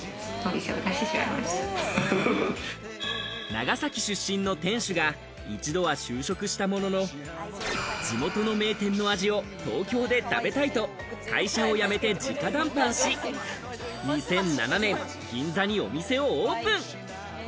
長崎出身の店主が一度は就職したものの、地元の名店の味を東京で食べたいと会社を辞めて直談判し、２００７年、銀座にお店をオープン。